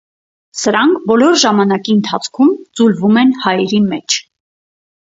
Սրանք բոլոր ժամանակի ընթացքում ձուլվում են հայերի մեջ։